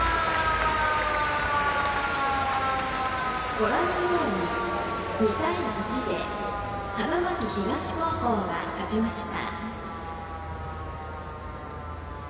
ご覧のように２対１で花巻東高校が勝ちました。